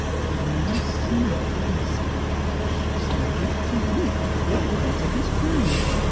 The man smelt of whisky. Yes, the wretch reeked with the evidence of his crime.